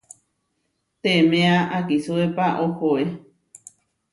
Teeméa akisuépa ohoé.